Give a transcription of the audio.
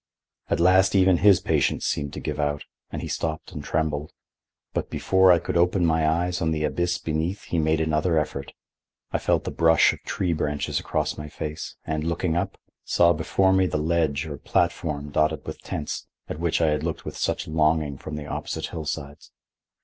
At last even his patience seemed to give out, and he stopped and trembled. But before I could open my eyes on the abyss beneath he made another effort. I felt the brush of tree branches across my face, and, looking up, saw before me the ledge or platform dotted with tents, at which I had looked with such longing from the opposite hillsides.